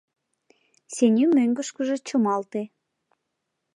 Сеню мӧҥгышкыжӧ чымалте.